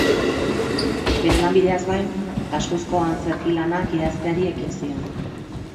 Bere lanbideaz gain gaskoizko antzerki lanak idazteari ekin zion.